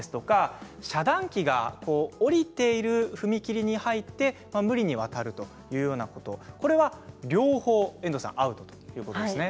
遮断機が下りている踏切に入って無理に渡るというようなことこれは両方アウトということですね。